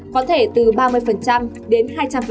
có thể từ ba mươi đến hai trăm linh